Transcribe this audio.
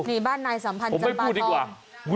นี่บ้านนายสัมภัณฑ์จันทร์ทอง